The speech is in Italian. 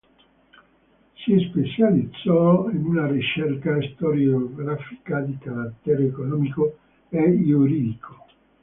Si specializzò in una ricerca storiografica di carattere economico e giuridico.